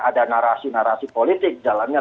ada narasi narasi politik dalamnya